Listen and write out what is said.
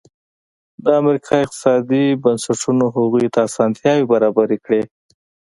د امریکا اقتصادي بنسټونو هغوی ته اسانتیاوې برابرې کړې.